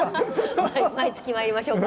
毎月、まいりましょうか？